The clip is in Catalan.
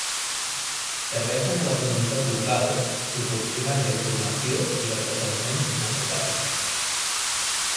Serveixen a la comunitat local proporcionant la informació i l'entreteniment necessaris.